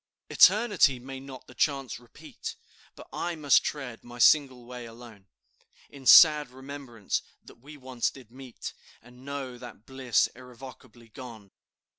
"Eternity may not the chance repeat, But I must tread my single way alone, In sad remembrance that we once did meet, And know that bliss irrevocably gone.